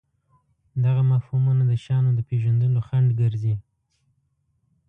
دغه مفهومونه د شیانو د پېژندلو خنډ ګرځي.